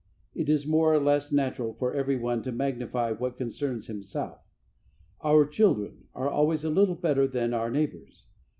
It is more or less natural for everyone to magnify what concerns himself. "Our children" are always a little better than our neighbors'.